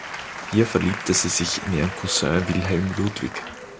Hier verliebte sie sich in ihren Cousin Wilhelm Ludwig.